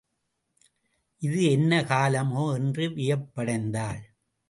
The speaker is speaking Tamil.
இது என்ன காலமோ? என்று வியப்படைந்தாள்.